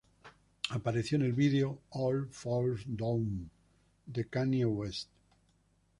Apareció en el video "All Falls Down" de Kanye West.